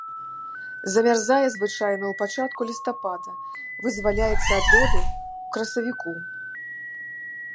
Замярзае звычайна ў пачатку лістапада, вызваляецца ад лёду ў красавіку.